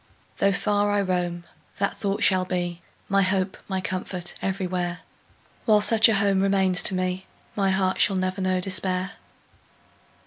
Though far I roam, that thought shall be My hope, my comfort, everywhere; While such a home remains to me, My heart shall never know despair!